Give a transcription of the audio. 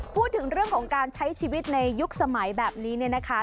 พูดถึงเรื่องของการใช้ชีวิตในยุคสมัยแบบนี้เนี่ยนะคะ